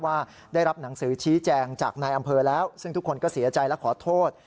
ว่าได้รับหนังสือชี้แจงจากนายอำเภอแล้วซึ่งทุกคนก็เสียใจและขอโทษ